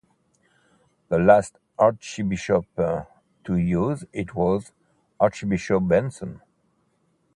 The last Archbishop to use it was Archbishop Benson.